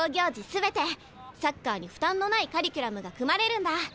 全てサッカーに負担のないカリキュラムが組まれるんだ。